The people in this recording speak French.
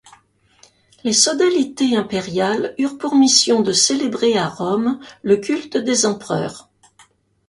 Les sodalités impériales eurent pour mission de célébrer à Rome le culte des empereurs.